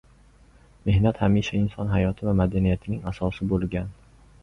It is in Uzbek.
Mehnat hamisha inson hayoti va madaniyatining asosi bo‘lgan.